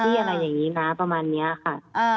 อะไรอย่างนี้นะประมาณนี้ค่ะ